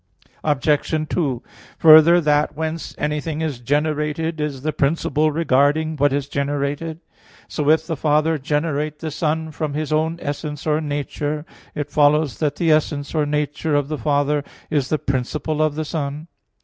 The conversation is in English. Obj. 2: Further, that whence anything is generated is the principle regarding what is generated. So if the Father generate the Son from His own essence or nature, it follows that the essence or nature of the Father is the principle of the Son.